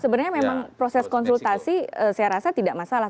sebenarnya memang proses konsultasi saya rasa tidak masalah